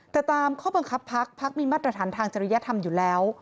แต่ตามข้อบังคับพักพักมีมาตรฐานทางจริยธรรมอยู่แล้ว